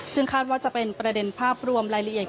ซึ่งคาดว่าจะเป็นประเด็นภาพรวมรายละเอียด